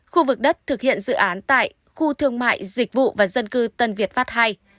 khu vực đất thực hiện dự án tại khu thương mại dịch vụ và dân cư tân việt pháp ii